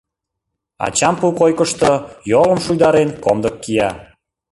Ачам пу койкышто, йолым шуйдарен, комдык кия.